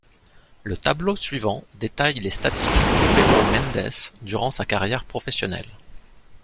Le tableau suivant détaille les statistiques de Pedro Mendes durant sa carrière professionnelle.